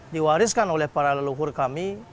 diwariskan oleh para leluhur kami